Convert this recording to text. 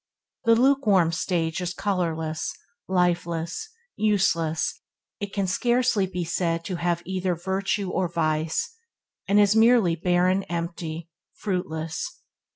The lukewarm stage is colourless, lifeless, useless; it can scarcely be said to have either virtue or vice, and is merely barren empty, fruitless.